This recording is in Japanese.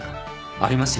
ありますよ。